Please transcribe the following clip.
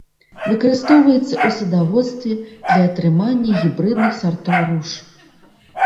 Выкарыстоўваецца ў садаводстве для атрымання гібрыдных сартоў руж.